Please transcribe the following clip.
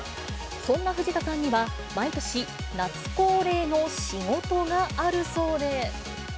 そんな藤田さんには、毎年、夏恒例の仕事があるそうで。